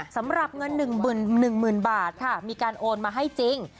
สำหรับเงิน๑๐๐๐บาทค่ะมีการโอนมาให้จริง